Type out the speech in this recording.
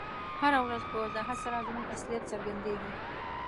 هره ورځ په وضاحت سره زموږ اصلیت څرګندیږي.